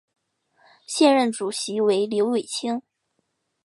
现任主席为刘伟清。